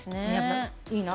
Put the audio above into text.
いいな。